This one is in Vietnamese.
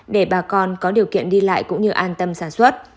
để bà con có điều kiện đi lại cũng như an tâm sản xuất